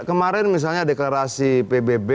kemarin misalnya deklarasi pbb